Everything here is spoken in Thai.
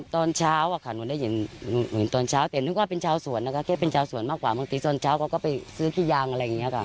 ตอนเช้าอะค่ะหนูได้ยินเหมือนตอนเช้าแต่นึกว่าเป็นชาวสวนนะคะแค่เป็นชาวสวนมากกว่าบางทีตอนเช้าเขาก็ไปซื้อขี้ยางอะไรอย่างนี้ค่ะ